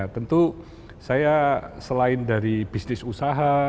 tentu saya selain dari bisnis usaha